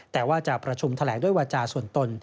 แต่ว่าจะประชุมแถลงด้วยวาจาส่วนตน